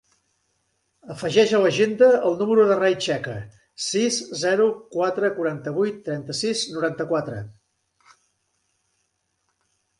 Afegeix a l'agenda el número del Rai Checa: sis, zero, quatre, quaranta-vuit, trenta-sis, noranta-quatre.